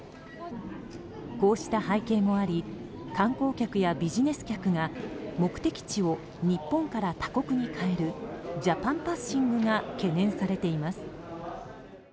こうした背景もあり観光客やビジネス客が目的地を日本から他国に変えるジャパン・バッシングが懸念されています。